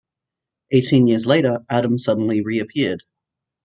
Eighteen years later, Adam suddenly reappeared.